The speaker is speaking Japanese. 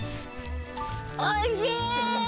おいしい！